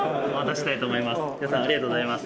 石田さんありがとうございます。